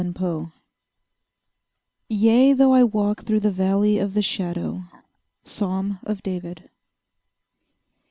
SHADOW—A PARABLE Yea, though I walk through the valley of the Shadow. —Psalm of David.